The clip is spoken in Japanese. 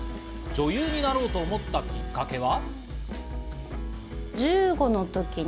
女優になろうと思ったきっかけは。